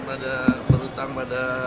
ada yang berhutang pada